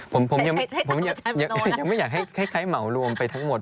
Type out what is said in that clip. ผมยังไม่อยากให้คล้ายเหมารวมไปทั้งหมด